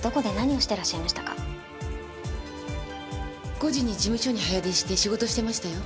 ５時に事務所に早出して仕事してましたよ。